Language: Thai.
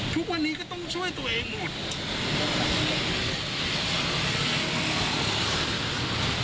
ทุกวันนี้ก็ต้องช่วยตัวเองหมด